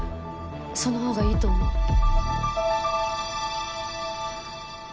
そのほうがいいと思う。